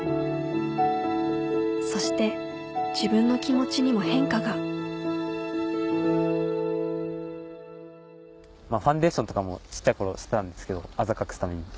そして自分の気持ちにも変化がファンデーションとかも小っちゃい頃はしてたんですけどあざ隠すために。